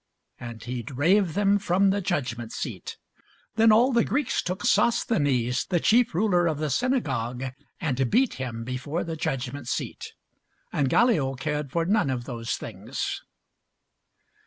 And he drave them from the judgment seat. Then all the Greeks took Sosthenes, the chief ruler of the synagogue, and beat him before the judgment seat. And Gallio cared for none of those things.